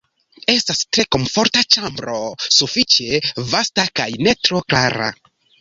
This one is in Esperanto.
Estas tre komforta ĉambro, sufiĉe vasta kaj ne tro kara.